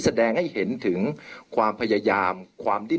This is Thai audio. เพื่อยุดยั้งการสืบทอดอำนาจของขอสอชอต่อและยังพร้อมจะเป็นนายกรัฐมนตรี